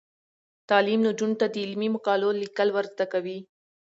تعلیم نجونو ته د علمي مقالو لیکل ور زده کوي.